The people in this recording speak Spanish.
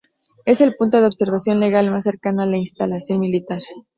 Es el punto de observación legal más cercano a la instalación militar.